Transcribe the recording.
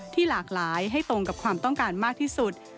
หลากหลายให้ตรงกับความต้องการมากที่สุด